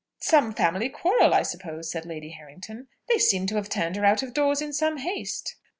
"Some family quarrel, I suppose," said Lady Harrington. "They seem to have turned her out of doors in some haste."